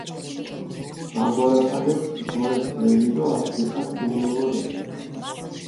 მაგორაფალეფქ გორეს ბრელი დო ართ დიხას ქიმიოგორეს.